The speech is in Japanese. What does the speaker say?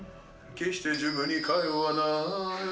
決してジムに通わない。